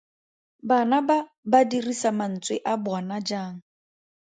Bana ba ba dirisa mantswe a bona jang?